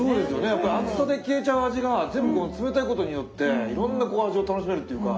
やっぱ熱さで消えちゃう味が全部こう冷たいことによっていろんなこう味を楽しめるっていうか。